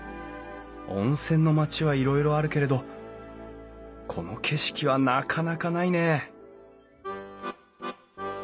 温泉の町はいろいろあるけれどこの景色はなかなかないねえ